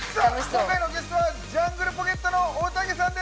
今回のゲストはジャングルポケットのおたけさん